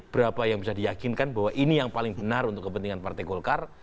berapa yang bisa diyakinkan bahwa ini yang paling benar untuk kepentingan partai golkar